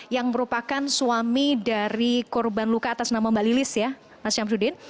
yang merupakan suami dari korban luka atas nama mbak lilis ya mas syamsuddin